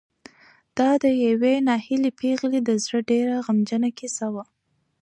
دا د یوې ناهیلې پېغلې د زړه ډېره غمجنه کیسه وه.